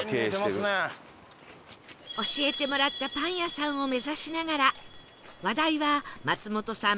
教えてもらったパン屋さんを目指しながら話題は松本さん